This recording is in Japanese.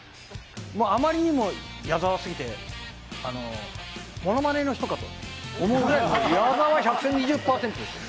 あまりにも矢沢すぎて、モノマネの人かと思うぐらい、矢沢１２０％です。